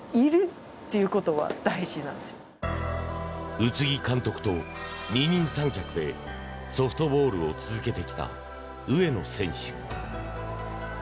宇津木監督と二人三脚でソフトボールを続けてきた上野選手。